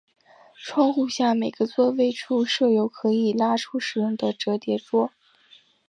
窗户下每个座位处设有可以拉出使用的折叠桌。